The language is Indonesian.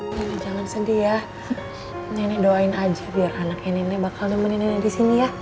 nenek jangan sedih ya nenek doain aja biar anaknya nenek bakal nemenin disini ya